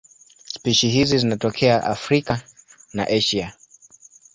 Spishi hizi zinatokea Afrika na Asia.